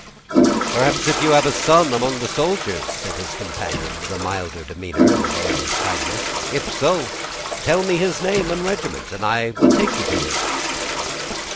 "Perhaps you have a son among the soldiers," said his companion, with a milder demeanor, and an air of kindness; "if so, tell me his name and regiment, and I will take you to him."